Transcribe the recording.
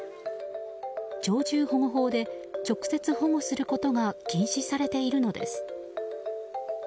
鳥獣保護法で直接保護することが禁止されているのです。